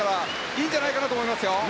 いいんじゃないかと思いますよ。